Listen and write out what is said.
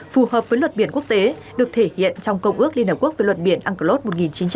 phù hợp với luật biển quốc tế được thể hiện trong công ước liên hợp quốc về luật biển unclos một nghìn chín trăm tám mươi hai